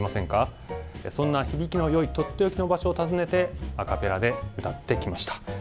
そんな響きのよいとっておきの場所を訪ねてアカペラで歌ってきました。